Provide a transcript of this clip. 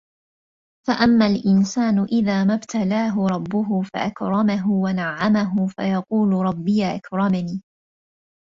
فَأَمَّا الإِنسانُ إِذا مَا ابتَلاهُ رَبُّهُ فَأَكرَمَهُ وَنَعَّمَهُ فَيَقولُ رَبّي أَكرَمَنِ